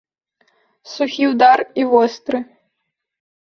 Сухі ўдар і востры.